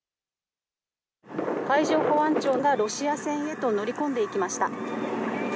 海上保安庁がロシア船へと乗り込んでいきました。